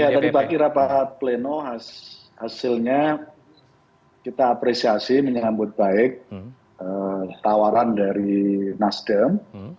ya tadi pagi rapat pleno hasilnya kita apresiasi menyambut baik tawaran dari nasdem